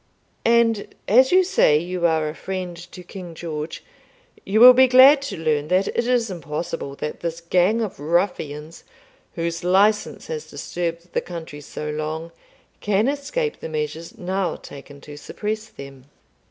And as you say you are a friend to King George, you will be glad to learn that it is impossible that this gang of ruffians, whose license has disturbed the country so long, can escape the measures now taken to suppress them.